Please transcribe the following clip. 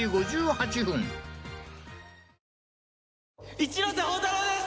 一ノ瀬宝太郎です！